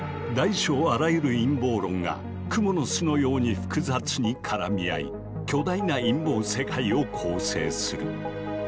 大小あらゆる陰謀論が蜘蛛の巣のように複雑に絡み合い巨大な陰謀世界を構成する。